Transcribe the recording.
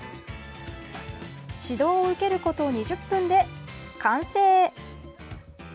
指導を受けること２０分で完成！